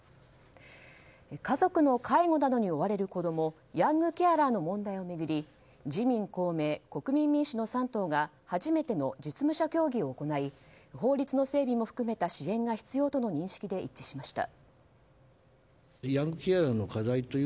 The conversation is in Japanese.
家族の介護などに追われる子供ヤングケアラーの問題を巡り自民、公明、国民民主の３党が初めての実務者協議を行い法律の整備も含めた支援が必要との認識で一致しました。